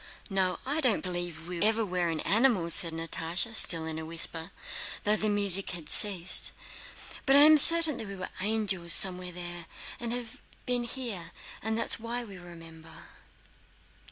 "No, I don't believe we ever were in animals," said Natásha, still in a whisper though the music had ceased. "But I am certain that we were angels somewhere there, and have been here, and that is why we remember...."